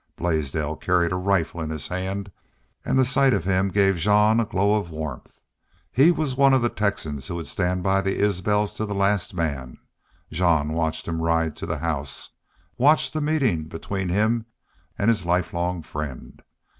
Blaisdell carried a rifle in his hand, and the sight of him gave Jean a glow of warmth. He was one of the Texans who would stand by the Isbels to the last man. Jean watched him ride to the house watched the meeting between him and his lifelong friend.